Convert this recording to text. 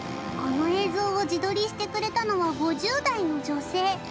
この映像を自撮りしてくれたのは５０代の女性。